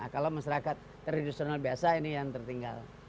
kalau masyarakat tradisional biasa ini yang tertinggal